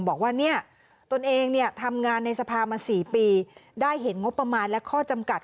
บอกว่าเนี่ยตนเองเนี่ยทำงานในสภามา๔ปีได้เห็นงบประมาณและข้อจำกัด